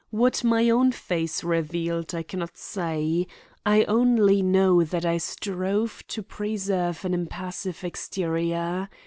What my own face revealed I can not say. I only know that I strove to preserve an impassive exterior.